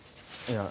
いや。